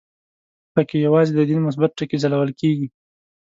په کې یوازې د دین مثبت ټکي ځلول کېږي.